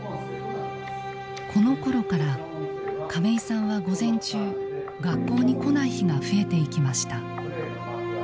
このころから亀井さんは午前中学校に来ない日が増えていきました。